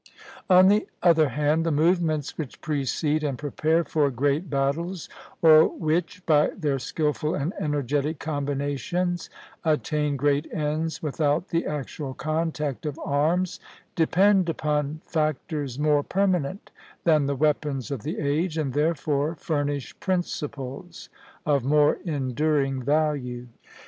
On the other hand, the movements which precede and prepare for great battles, or which, by their skilful and energetic combinations, attain great ends without the actual contact of arms, depend upon factors more permanent than the weapons of the age, and therefore furnish principles of more enduring value.